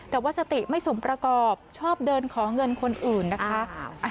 แต่ว่าสติไม่สมประกอบชอบเดินขอเงินคนอื่นนะคะ